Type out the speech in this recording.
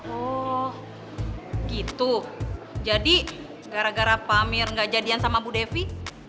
oh gitu jadi gara gara pamir gak jadian sama bu devi